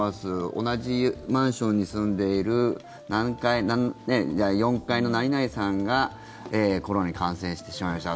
同じマンションに住んでいる４階の何々さんがコロナに感染してしまいました